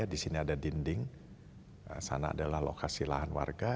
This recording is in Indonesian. di sini ada dinding sana adalah lokasi lahan warga